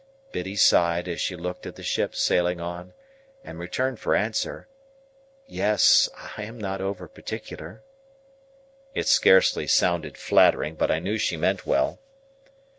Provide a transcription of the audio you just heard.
Biddy sighed as she looked at the ships sailing on, and returned for answer, "Yes; I am not over particular." It scarcely sounded flattering, but I knew she meant well.